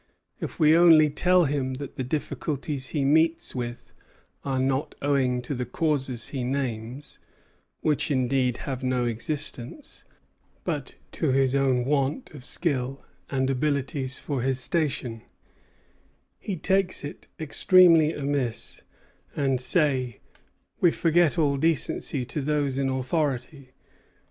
If we only tell him that the difficulties he meets with are not owing to the causes he names, which indeed have no existence, but to his own want of skill and abilities for his station, he takes it extremely amiss, and says 'we forget all decency to those in authority.'